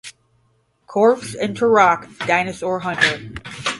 Corps" and "Turok: Dinosaur Hunter".